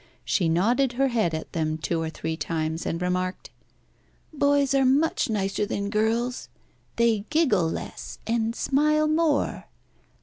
She nodded her head at them two or three times, and remarked "Boys are much nicer than girls. They giggle less, and smile more.